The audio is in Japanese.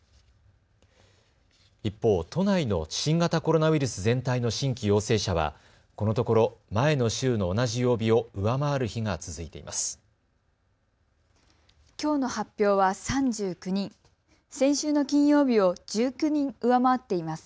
一方、都内の新型コロナウイルス全体の新規陽性者はこのところ前の週の同じ曜日を上回る日が続いています。